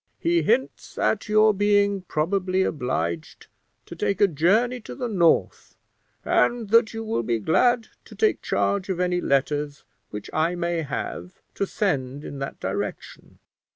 He hints at your being probably obliged to take a journey to the north, and that you will be glad to take charge of any letters which I may have to send in that direction.